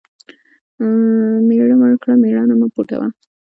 مېړه مړ کړه مېړانه مه پوټوه .